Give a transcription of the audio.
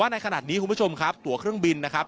ในขณะนี้คุณผู้ชมครับตัวเครื่องบินนะครับ